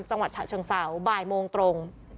จังหวัดฉะเชิงเศร้าบ่ายโมงตรง